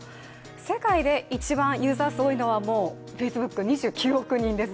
世界で、一番ユーザー数多いのが、Ｆａｃｅｂｏｏｋ、２９億人です。